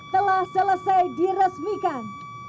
telah selesai diresmikan